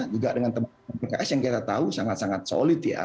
juga dengan teman teman pks yang kita tahu sangat sangat solid ya